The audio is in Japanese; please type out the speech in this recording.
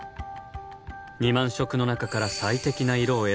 ２万色の中から最適な色を選び